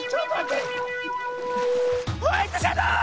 ホワイトシャドー！